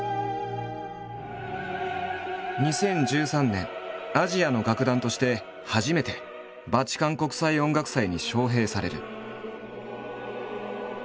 ２０１３年アジアの楽団として初めてバチカン国際音楽祭に招聘される。